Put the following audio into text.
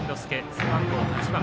背番号８番。